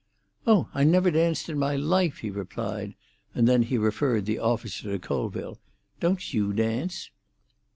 "Oh, I never danced in my life," he replied; and then he referred the officer to Colville. "Don't you dance?"